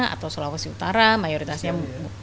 atau sulawesi utara mayoritasnya